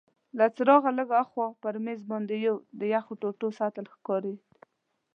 له څراغه لږ هاخوا پر مېز باندي یو د یخو ټوټو سطل ښکارید.